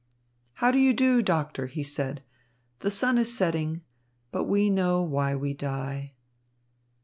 "How do you do, Doctor?" he said. "The sun is setting, but we know why we die."